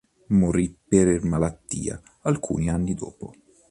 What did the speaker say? Morì per malattia alcuni anni dopo.